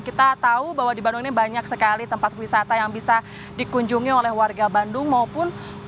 kita tahu bahwa di bandung ini banyak sekali tempat wisata yang bisa dikunjungi oleh warga bandung maupun